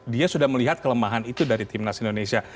dia sudah melihat kelemahan itu dari timnas indonesia